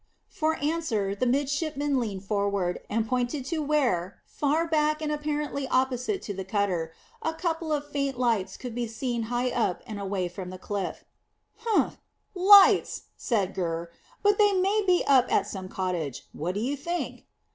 For answer the midshipman leaned forward, and pointed to where, far back and apparently opposite to the cutter, a couple of faint lights could be seen high up and away from the cliff. "Humph! Lights," said Gurr; "but they may be up at some cottage. What do you think?"